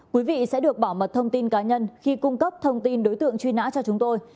quý vị sẽ được bảo mật thông tin cá nhân khi cung cấp thông tin đối tượng truy nã cho chúng tôi